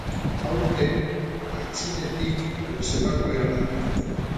Aurten aitzinetik erreserbatu behar da.